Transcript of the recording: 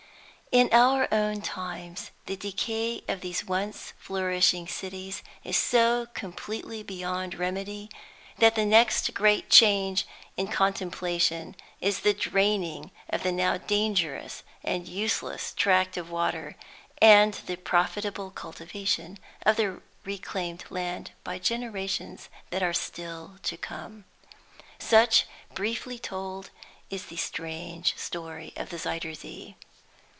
In our own times the decay of these once flourishing cities is so completely beyond remedy, that the next great change in contemplation is the draining of the now dangerous and useless tract of water, and the profitable cultivation of the reclaimed land by generations that are still to come. Such, briefly told, is the strange story of the Zuyder Zee.